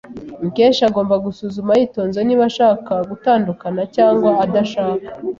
Mukesha agomba gusuzuma yitonze niba ashaka gutandukana cyangwa adashaka.